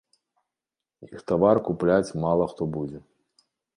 Іх тавар купляць мала хто будзе.